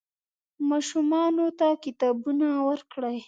ماشومانو ته کتابونه ورکړئ.